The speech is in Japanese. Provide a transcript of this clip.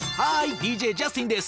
ＤＪジャスティンです。